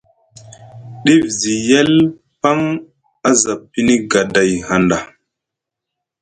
Dif zi yel paŋ a za pini gaday hanɗa.